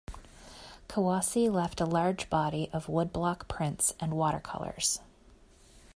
Kawase left a large body of woodblock prints and watercolors.